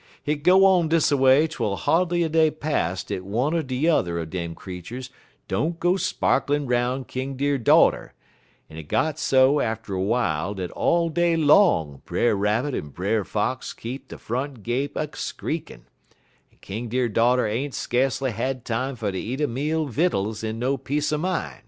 Hit go on dis a way twel hardly a day pass dat one er de yuther er dem creeturs don't go sparklin' 'roun' King Deer daughter, en it got so atter w'ile dat all day long Brer Rabbit en Brer Fox keep de front gate a skreakin', en King Deer daughter ain't ska'cely had time fer ter eat a meal vittels in no peace er min'.